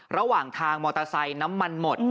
ระหว่างทางมอเตอร์ไซค์น้ำมันหมด